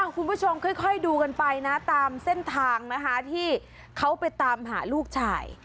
คุณผู้ชมค่อยดูกันไปนะตามเส้นทางนะคะที่เขาไปตามหาลูกชาย